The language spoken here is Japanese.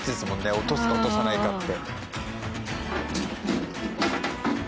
落とすか落とさないかって。